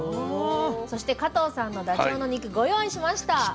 そして加藤さんのダチョウの肉ご用意しました。